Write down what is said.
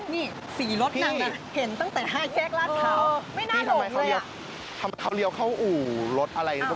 นี่สีรถนั้นเห็นตั้งแต่๕เทคลาสเท่า